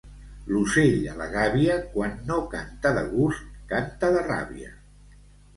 L'ocell a la gàbia, quan no canta de gust, canta de ràbia.